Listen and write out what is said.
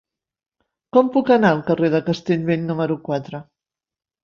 Com puc anar al carrer de Castellbell número quatre?